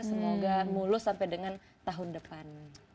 semoga mulus sampai dengan tahun depan